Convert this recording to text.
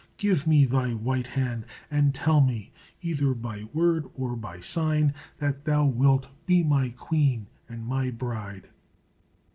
Give me thy white hand, and tell me, either by word or by sign, that thou wilt be my queen and my bride!"